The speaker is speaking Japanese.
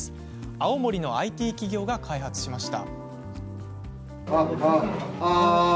青森のＩＴ企業が開発しました。